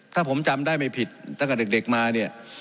ถ้าผมจำได้ไม่ผิดตั้งแต่เด็กมาเนี่ย